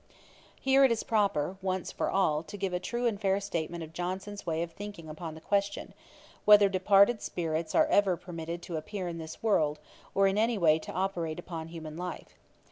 ] Here it is proper, once for all, to give a true and fair statement of Johnson's way of thinking upon the question, whether departed spirits are ever permitted to appear in this world, or in any way to operate upon human life.